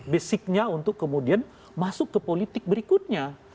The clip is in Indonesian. basicnya untuk kemudian masuk ke politik berikutnya